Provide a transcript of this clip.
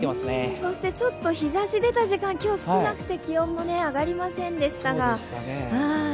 そして、ちょっと日ざしが出た時間、今日少なくて気温もね上がりませんでしたが。